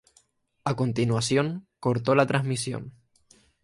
A continuación cortó la transmisión.